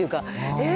えっ？